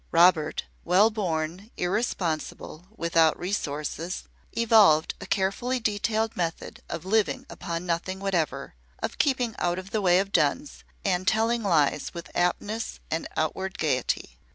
Robert well born, irresponsible, without resources evolved a carefully detailed method of living upon nothing whatever, of keeping out of the way of duns, and telling lies with aptness and outward gaiety.